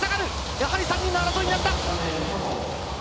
やはり３人の争いになった！